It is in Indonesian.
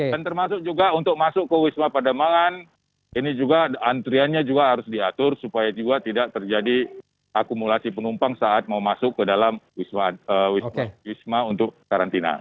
dan termasuk juga untuk masuk ke wisma pada malam ini juga antriannya juga harus diatur supaya juga tidak terjadi akumulasi penumpang saat mau masuk ke dalam wisma untuk karantina